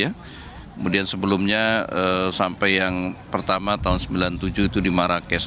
kemudian sebelumnya sampai yang pertama tahun seribu sembilan ratus sembilan puluh tujuh itu di marrakesh